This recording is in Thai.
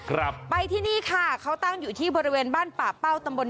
ครับไปที่นี่ค่ะเขาตั้งอยู่ที่บริเวณบ้านป่าเป้าตำบล